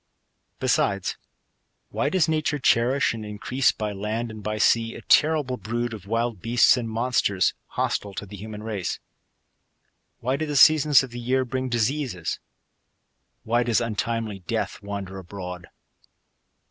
Besides, why does nature cherish and increase, by land and by sea, a terrible brood of wild beasts and monsters^ hostile to the human race ? Why do the seasons of the year bring dis eases ? Why does untimely death wander abroad